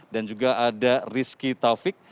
dan juga ada rizky taufik